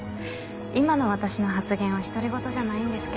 今の私の発言は独り言じゃないんですけど。